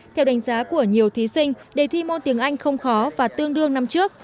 theo đánh giá của nhiều thí sinh đề thi môn tiếng anh không khó và tương đương năm trước